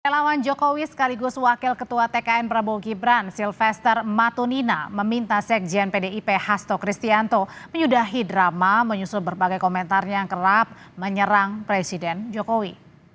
relawan jokowi sekaligus wakil ketua tkn prabowo gibran silvester matunina meminta sekjen pdip hasto kristianto menyudahi drama menyusul berbagai komentarnya yang kerap menyerang presiden jokowi